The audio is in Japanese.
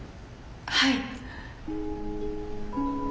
はい。